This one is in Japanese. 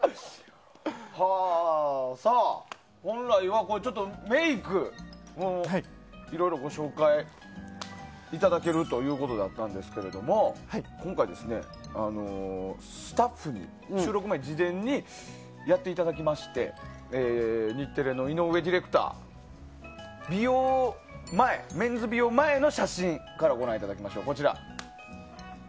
本来はメイクを、いろいろご紹介いただけるということだったんですけども今回、スタッフに、収録前に事前にやっていただきまして日テレのイノウエディレクターの美容前の写真からご覧いただきましょう。